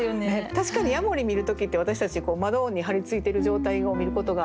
確かにヤモリ見る時って私たちこう窓に張りついてる状態を見ることが。